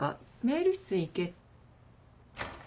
メール室に行け。